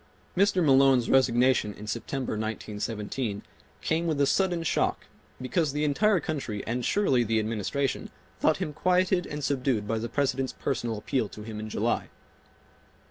Mr. Malone's resignation in September, 1917, came with a sudden shock, because the entire country and surely the Administration thought him quieted and subdued by the President's personal appeal to him in July.